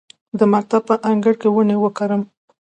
د مکتب په انګړ کې ونې وکرم؟